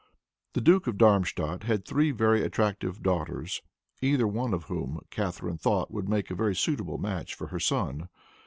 The Duke of Darmstadt had three very attractive daughters, either one of whom, Catharine thought, would make a very suitable match for her son.